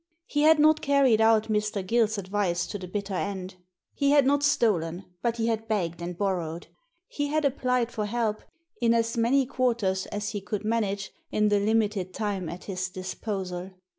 He had not carried out Mr. Gill's advice to the bitter end ; he had not stolen, but he had begged and borrowed He had applied for help in as many quarters as he could manage in the limited time at his disposal.